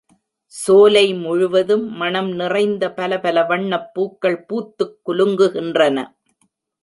சோலை முழுவதும் மணம் நிறைந்த பலபல வண்ணப் பூக்கள் பூத்துக் குலுங்குகின்றன.